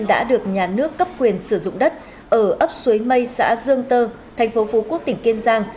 đã được nhà nước cấp quyền sử dụng đất ở ấp suối mây xã dương tơ thành phố phú quốc tỉnh kiên giang